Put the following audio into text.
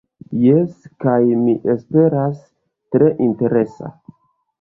Jes, kaj, mi esperas, tre interesa.